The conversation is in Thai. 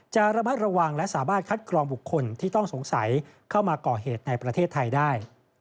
จะระมัดระวังและสามารถคัดกรองบุคคลที่ต้องสงสัยเข้ามาก่อเหตุในประเทศไทยได้